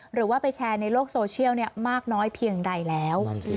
หรือว่าไปแชร์ในโลกโซเชียลมากน้อยเพียงใดแล้ว